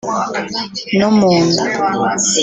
no mu nda